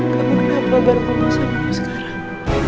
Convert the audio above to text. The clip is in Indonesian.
kamu kenapa baru berbual sama aku sekarang